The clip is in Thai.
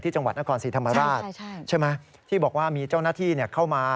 จังหวัดนครศรีธรรมราชใช่ไหมที่บอกว่ามีเจ้าหน้าที่เข้ามา